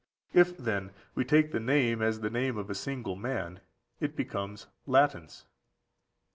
If, then, we take the name as the name of a single man, it becomes Latinus.